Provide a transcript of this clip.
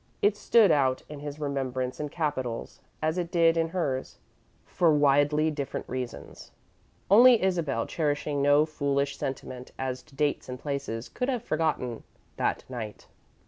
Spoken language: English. It stood out in his remembrance in capitals, as it did in hers, for widely different reasons. Only Isabel, cherishing no foolish sentiment as to dates and places, could have forgotten That Night.